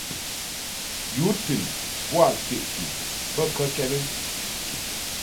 Yu tɨn boa sweʼti bə kəkɛd ?